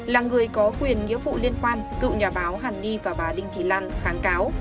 là người có quyền nghĩa phụ liên quan cựu nhà báo hằng nhi và bà đinh thị lan kháng cáo